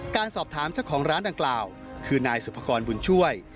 การสอบถามเจ้าของร้านดังกล่าวคือนายสุภกรบุญช่วย